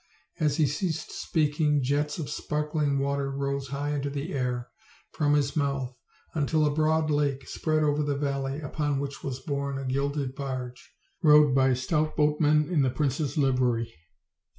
As he ceased speaking jets of sparkling water rose high into the air from his mouth, until a broad lake spread over the valley, upon which was borne a gilded barge, rowed by stout boatmen in the prince's livery.